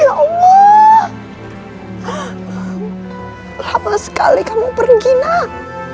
ya allah lama sekali kamu pergi nak